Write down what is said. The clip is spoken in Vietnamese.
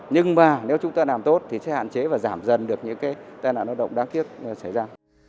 nhưng mà nếu chúng ta làm tốt thì sẽ hạn chế và giảm dần được những cái tai nạn lao động đáng tiếc xảy ra